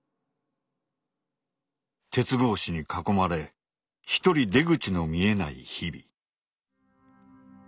鉄格子に囲まれ一人出口の見えない日々。